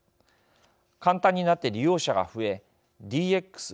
簡単になって利用者が増えＤＸ